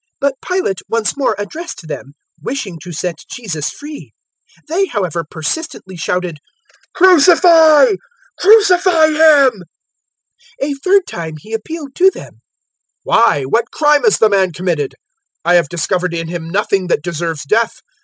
023:020 But Pilate once more addressed them, wishing to set Jesus free. 023:021 They, however, persistently shouted, "Crucify, crucify him!" 023:022 A third time he appealed to them: "Why, what crime has the man committed? I have discovered in him nothing that deserves death.